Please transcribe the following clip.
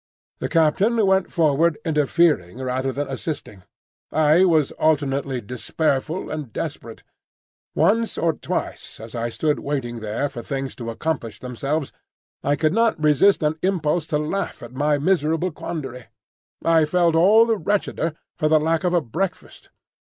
The captain went forward interfering rather than assisting. I was alternately despairful and desperate. Once or twice as I stood waiting there for things to accomplish themselves, I could not resist an impulse to laugh at my miserable quandary. I felt all the wretcheder for the lack of a breakfast.